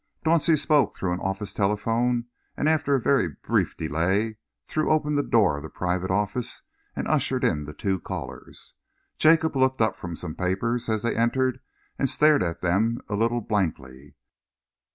Dauncey spoke through an office telephone, and after a very brief delay threw open the door of the private office and ushered in the two callers. Jacob looked up from some papers as they entered and stared at them a little blankly.